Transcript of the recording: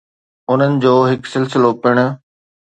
انهن جو هڪ سلسلو پڻ